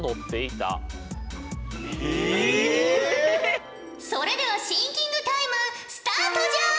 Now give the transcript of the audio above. それではシンキングタイムスタートじゃ！